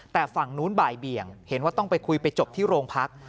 แต่ฝั่งนู้นบ่ายเบี่ยงเห็นว่าต้องไปคุยไปจบที่โรงพัก